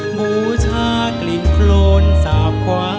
หมู่ช้ากลิ้งโครนสาบความ